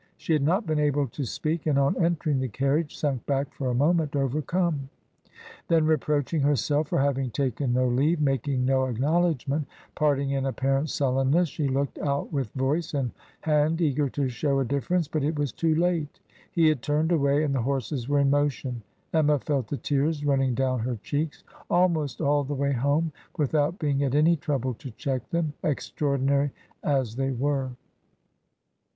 She had not been able to speak, and on entering the carriage, sunk back for a moment overcome; then reproaching herself for having taken no leave, making no acknowledgment, parting in apparent sullenness, she looked out with voice and hand eager to show a difference ; but it was too late. He had turned away, and the horses were in mo tion. ... Emma felt the tears running down her cheeks almost all the way home, without being at any trouble to check them, extraordinary as they were.''